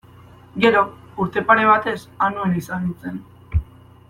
Gero, urte pare batez Anuen izan nintzen.